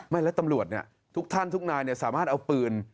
ไม่แล้วตำรวจทุกท่านทุกนายสามารถเอาปืน